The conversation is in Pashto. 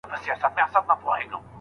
رسول الله د دغو نجونو اکا راوغوښت.